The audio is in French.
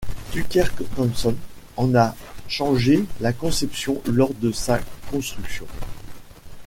Tucker Thompson en a changé la conception lors de sa construction.